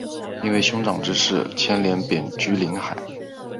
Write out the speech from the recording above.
因为兄长之事牵连贬居临海。